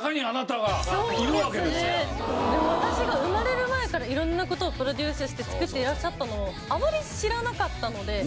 でも私が生まれる前から色んな事をプロデュースして作っていらっしゃったのをあまり知らなかったので。